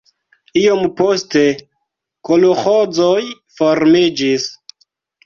Iom poste kolĥozoj formiĝis.